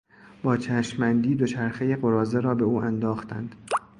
با چشمبندی دوچرخهی قراضه را به او انداختند.